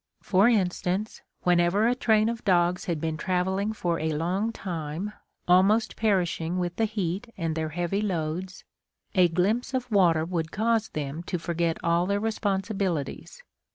For instance, whenever a train of dogs had been travelling for a long time, almost perishing with the heat and their heavy loads, a glimpse of water would cause them to forget all their responsibilities.